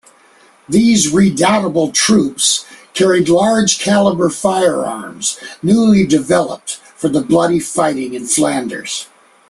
These redoubtable troops carried large-calibre firearms newly developed for the bloody fighting in Flanders.